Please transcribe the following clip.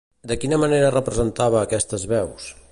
De quina manera representava aquestes veus?